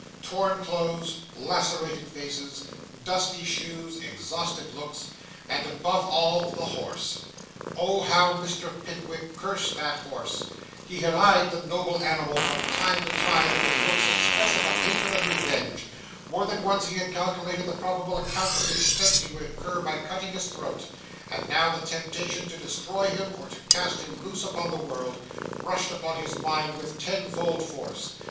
Torn clothes, lacerated faces, dusty shoes, exhausted looks, and, above all, the horse. Oh, how Mr. Pickwick cursed that horse: he had eyed the noble animal from time to time with looks expressive of hatred and revenge; more than once he had calculated the probable amount of the expense he would incur by cutting his throat; and now the temptation to destroy him, or to cast him loose upon the world, rushed upon his mind with tenfold force.